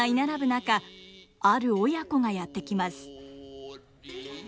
中ある親子がやって来ます。